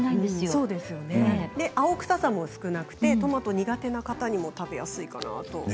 青臭さも少ないのでトマトが苦手な人も食べやすいかな。